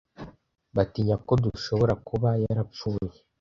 Batinya ko dushoborakuba yarapfuye.